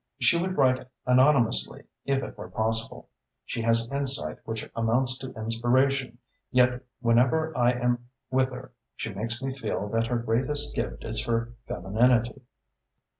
She would write anonymously if it were possible. She has insight which amounts to inspiration, yet whenever I am with her she makes me feel that her greatest gift is her femininity."